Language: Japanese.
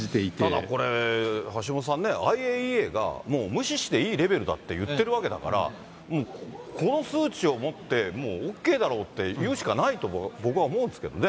ただこれ、橋下さんね、ＩＡＥＡがもう無視していいレベルだって言ってるわけだから、もうこの数値をもって、もうＯＫだろうっていうしかないと僕は思うんですけどね。